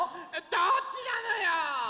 どっちなのよ？